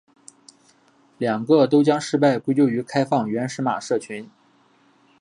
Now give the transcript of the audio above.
两个都将失败归咎于开放原始码社群。